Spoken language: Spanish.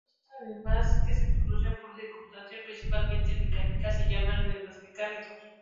Estos edemas que se producen por circunstancias principalmente mecánicas se llaman edemas mecánicos.